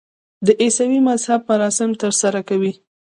د عیسوي مذهب مراسم ترسره کوي.